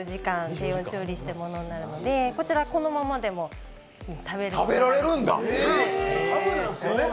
低温調理したものなのでこちら、このままでも食べられます。